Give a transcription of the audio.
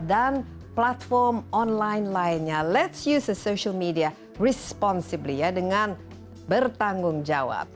dan platform online lainnya let's use social media responsifly ya dengan bertanggung jawab